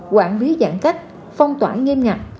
quản lý giãn cách phong tỏa nghiêm nhặt